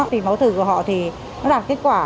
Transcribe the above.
thì mẫu thử của họ thì nó đạt kết quả